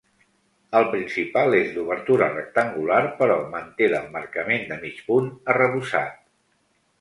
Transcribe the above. El principal és d'obertura rectangular però manté l'emmarcament de mig punt arrebossat.